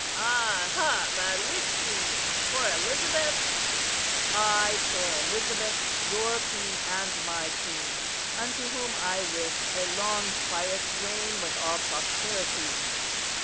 "Aha! but which queen? for Elizabeth?" "Ay, for Elizabeth, your queen and my queen, unto whom I wish a long quiet reign with all prosperity."